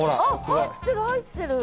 入ってる入ってる。